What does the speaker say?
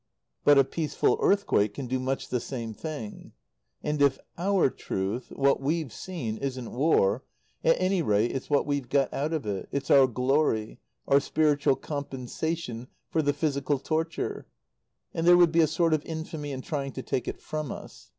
But a peaceful earthquake can do much the same thing. And if our truth what we've seen isn't War, at any rate it's what we've got out of it, it's our "glory," our spiritual compensation for the physical torture, and there would be a sort of infamy in trying to take it from us.